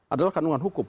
adalah kandungan hukum